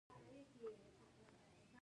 د سمنټو تولید زیاتول پکار دي